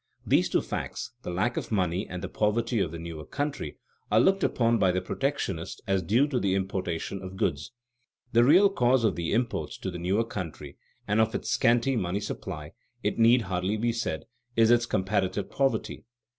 These two facts the lack of money and the poverty of the newer country are looked upon by the protectionist as due to the importation of goods. The real cause of the imports to the newer country and of its scanty money supply, it need hardly be said, is its comparative poverty.